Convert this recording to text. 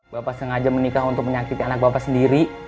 bapak sengaja menikah untuk menyakiti anak bapak sendiri